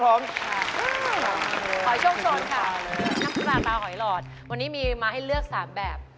กำลังผลาตาหอยหลอดวันนี้มาให้เลือก๓แบบ